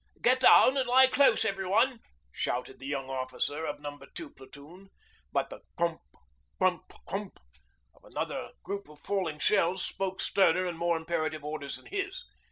'Get down and lie close everyone,' shouted the young officer of No. 2 Platoon, but the 'crump crump crump' of another group of falling shells spoke sterner and more imperative orders than his.